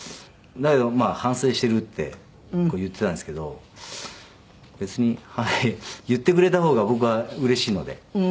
だけどまあ反省してるって言ってたんですけど別に言ってくれた方が僕はうれしいので。